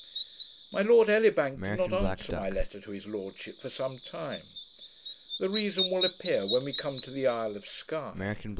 My Lord Elibank did not answer my letter to his lordship for some time. The reason will appear, when we come to the Isle of Sky.